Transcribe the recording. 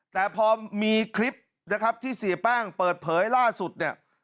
แต่พอมีคลิปนะครับที่เสียแป้งเปิดเผยล่าสุดเนี่ย